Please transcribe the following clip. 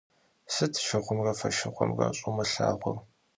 Sıt şşığumre foşşığumre ş'umılhağur?